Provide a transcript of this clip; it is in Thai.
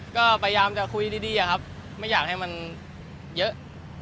ก็พยายามจะคุยดีอะครับไม่อยากให้มันเยอะ